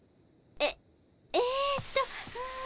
えっえっとうん。